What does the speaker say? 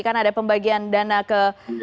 karena ada pembagian dana ke